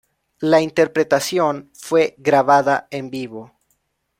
La interpretación fue grabada en vivo.